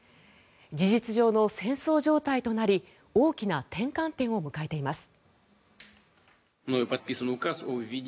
事実上の戦争状態となり大きな転換点を迎えています。